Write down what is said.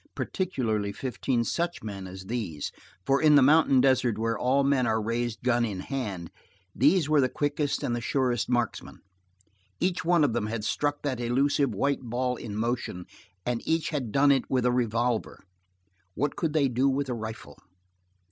Particularly fifteen such men as these, for in the mountain desert where all men are raised gun in hand, these were the quickest and the surest marksmen. Each one of them had struck that elusive white ball in motion, and each had done it with a revolver. What could they do with a rifle?